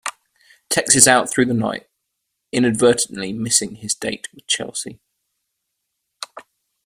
Tex is out through the night, inadvertently missing his date with Chelsee.